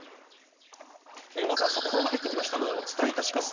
速報が入ってきましたのでお伝えします。